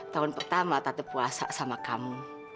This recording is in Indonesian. tahun pertama tatap puasa sama kamu